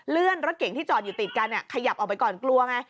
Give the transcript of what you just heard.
เลื่อนรถเก่งที่จอดอยู่ติดกันขยับออกไปก่อนกลัวไง